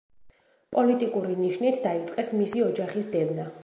პოლიტიკური ნიშნით დაიწყეს მისი ოჯახის დევნა.